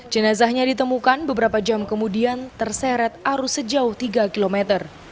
jenazahnya ditemukan beberapa jam kemudian terseret arus sejauh tiga kilometer